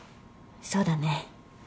そうだね。